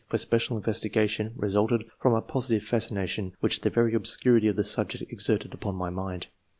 for special investigation re sulted from a positive fascination which the very obscurity of the subject exerted upon my mind.